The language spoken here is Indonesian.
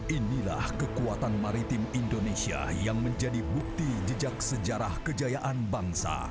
inilah kekuatan maritim indonesia yang menjadi bukti jejak sejarah kejayaan bangsa